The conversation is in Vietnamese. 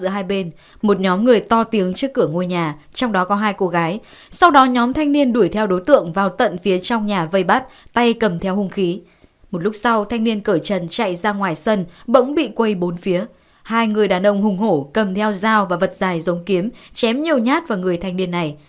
hai người đàn ông hùng hổ cầm theo dao và vật dài giống kiếm chém nhiều nhát vào người thanh niên này